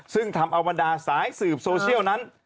ซึ่งทำเอาบรรดาสายสืบโซเชียลนั้น